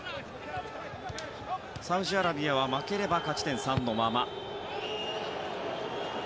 サウジアラビアは負ければ勝ち点３のまま。